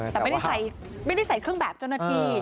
แต่ไม่ได้ใส่เครื่องแบบเจ้าหน้าที่